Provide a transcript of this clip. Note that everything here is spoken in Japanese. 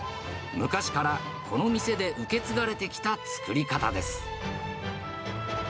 昔からこの店で受け継がれてきた作り方です。